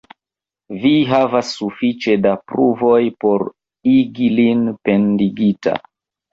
Vi havas sufiĉe da pruvoj por igi lin pendigita.